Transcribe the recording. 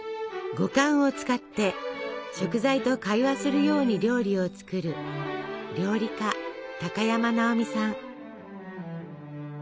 五感を使って食材と会話するように料理を作る料理家高山なおみさん。